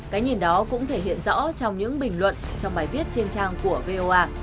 cái nhìn đó cũng thể hiện rõ trong những bình luận trong bài viết trên trang của voa